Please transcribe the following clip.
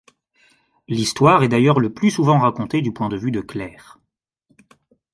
L'histoire est d'ailleurs le plus souvent racontée du point de vue de Claire.